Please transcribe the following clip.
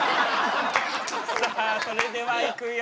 さあそれではいくよ。